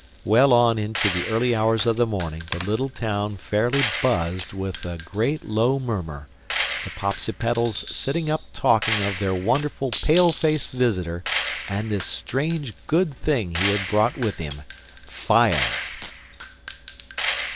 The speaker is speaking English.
Well on into the early hours of the morning the little town fairly buzzed with a great low murmur: the Popsipetels sitting up talking of their wonderful pale faced visitor and this strange good thing he had brought with him—fire!